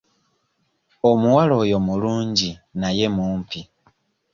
Omuwala oyo mulungi naye mumpi.